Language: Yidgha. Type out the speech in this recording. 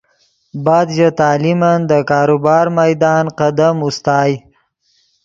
بعد ژے تعلیمن دے کاروبار میدان قدم اوستائے